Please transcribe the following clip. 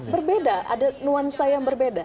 berbeda ada nuansa yang berbeda